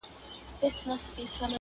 په پای کي شپږمه ورځ هم بې پايلې تېريږي